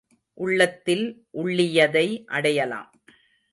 உள்ளத்தில் உள்ளியதை அடையலாம்.